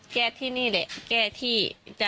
แก้ที่นี่แหละแก้ที่